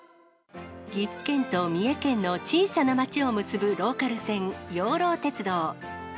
岐阜県と三重県の小さな町を結ぶローカル線、養老鉄道。